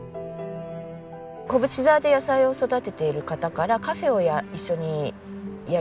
小淵沢で野菜を育てている方からカフェを一緒にやりませんか？